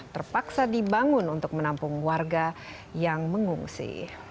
terpaksa dibangun untuk menampung warga yang mengungsi